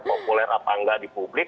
populer apa enggak di publik